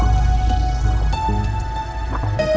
ya udah pak